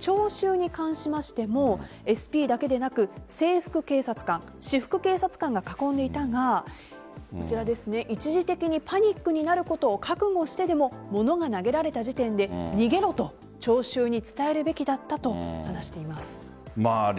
聴衆に関しましてもＳＰだけでなく制服警察官、私服警察官が囲んでいたが一時的にパニックになることを覚悟してでも物が投げられた時点で逃げろと聴衆に伝えるべきだったと話しています。